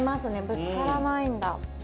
ぶつからないんだ。